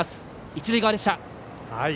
一塁側でした。